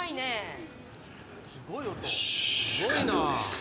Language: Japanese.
すごいなぁ。